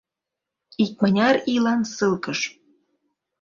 — Икмыняр ийлан ссылкыш!